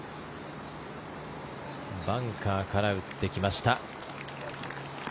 バンカーから打ってきました。